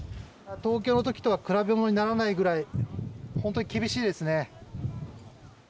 東京の時とは比べ物にならないくらい本当に厳しいですね。